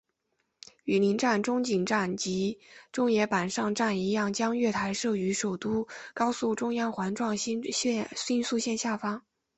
与邻站中井站及中野坂上站一样将月台设于首都高速中央环状新宿线下方。